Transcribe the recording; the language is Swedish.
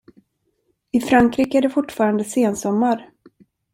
I Frankrike är det fortfarande sensommar.